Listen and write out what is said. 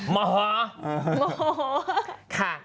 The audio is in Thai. มาฮะ